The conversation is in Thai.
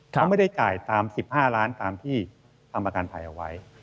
เขาไม่ได้จ่ายตาม๑๕ล้านตามที่ทำประกันภัยเอาไว้